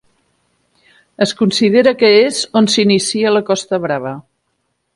Es considera que és on s'inicia la Costa Brava.